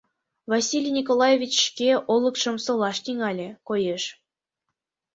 — Василий Николаевич шке олыкшым солаш тӱҥале, коеш.